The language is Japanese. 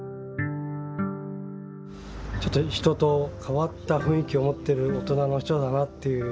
ちょっと人と変わった雰囲気を持ってる大人の人だなっていう。